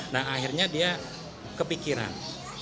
nah akhirnya dia kepikiran